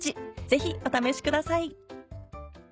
ぜひお試しください。